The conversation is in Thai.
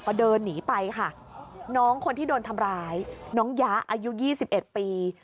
ก็เดินหนีไปค่ะน้องคนที่โดนทำร้ายน้องยะอายุ๒๑ปี